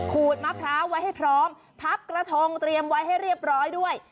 ขูดมะพร้าวไว้ให้พร้อมพับกระทงเตรียมไว้ให้เรียบร้อยด้วย